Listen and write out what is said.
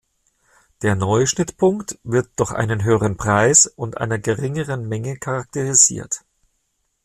Der neue Schnittpunkt wird durch einen höheren Preis und einer geringeren Menge charakterisiert.